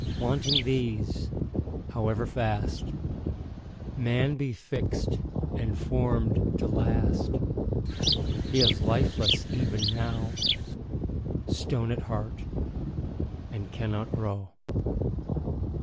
Wanting these, however fast Man be fix'd and form'd to last, He is lifeless even now, Stone at heart, and cannot grow.